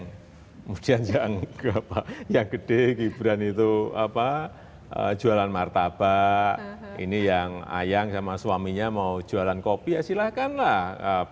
kemudian yang gede gibran itu jualan martabak ini yang ayang sama suaminya mau jualan kopi ya silahkanlah